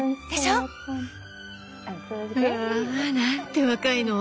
うわぁなんて若いの！